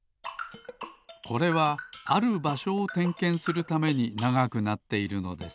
これはあるばしょをてんけんするためにながくなっているのです。